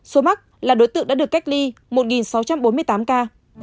số mắc là đối tượng đã được cách ly một sáu trăm bốn mươi tám ca